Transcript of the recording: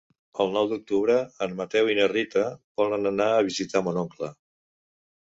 El nou d'octubre en Mateu i na Rita volen anar a visitar mon oncle.